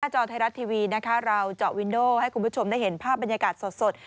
จอไทยรัฐทีวีนะคะเราเจาะวินโดให้คุณผู้ชมได้เห็นภาพบรรยากาศสด